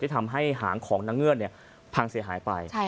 ที่ทำให้หางของนางเงือกเนี่ยพังเสียหายไป